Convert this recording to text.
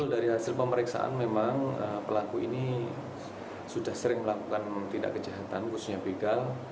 dari hasil pemeriksaan memang pelaku ini sudah sering melakukan tindak kejahatan khususnya begal